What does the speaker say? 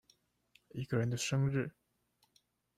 一個人生日